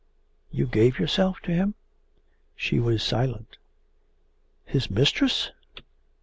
You gave yourself to him?' She was silent. 'His mistress?